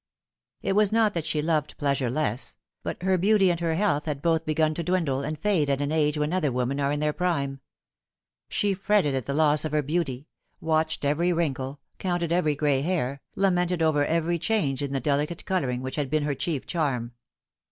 It was not that she loved pleasure less, but her beauty and her health had both begun to dwindle and fade at an age when other women are in their prime. She fretted at the loss of her beauty watched every wrinkle, counted every gray hair, lamented over every change in the delicate colouring which had been her chief charm.